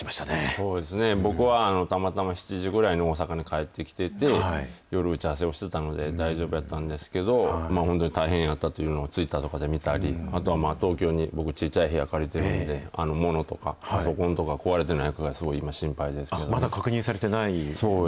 そうですよね、僕はたまたま７時ぐらいに大阪に帰ってきて夜、打ち合わせをしてたので大丈夫やったんですけど、本当に大変やったというのをツイッターとかで見たり、あとは東京にちいちゃい部屋借りてるんで、物とか、パソコンとか壊れてないかがすごい今心まだ確認されてない？